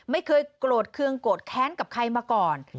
ไม่เคยโกรธเคืองโกรธแค้นกับใครมาก่อน